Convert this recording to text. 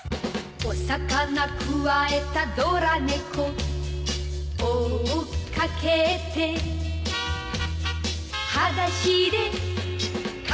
「お魚くわえたドラ猫」「追っかけて」「はだしでかけてく」